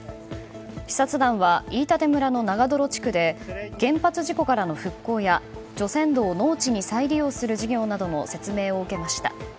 視察団は飯舘村の長泥地区で原発事故からの復興や除染土を農地に再利用する事業などの説明を受けました。